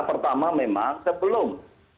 pertama memang sebelum